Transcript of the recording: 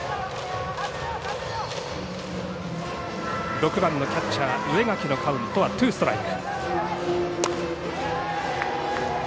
６番のキャッチャー植垣のカウントはツーストライク。